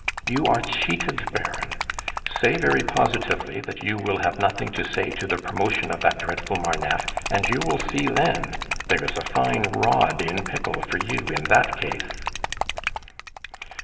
"You are cheated, Baron; say very positively that you will have nothing to say to the promotion of that dreadful Marneffe, and you will see then! There is a fine rod in pickle for you in that case."